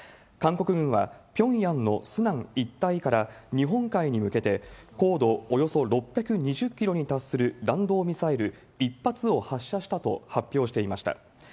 韓国軍は、ピョンヤンのスナン一帯から日本海に向けて、高度およそ６２０キロに達する弾道ミサイル１発を発射したと発表していました。